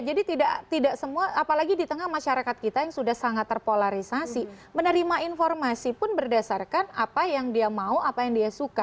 jadi tidak semua apalagi di tengah masyarakat kita yang sudah sangat terpolarisasi menerima informasi pun berdasarkan apa yang dia mau apa yang dia suka